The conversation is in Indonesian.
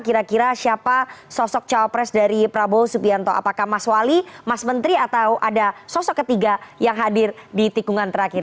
kira kira siapa sosok cawapres dari prabowo subianto apakah mas wali mas menteri atau ada sosok ketiga yang hadir di tikungan terakhir